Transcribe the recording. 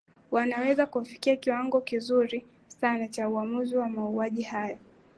wanaweza kufikia kiwango kizuri sana cha uamuzi wa mauaji hayo